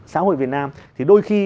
xã hội việt nam thì đôi khi